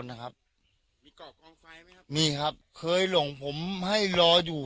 นะครับมีเกาะกองไฟไหมครับมีครับเคยหลงผมให้รออยู่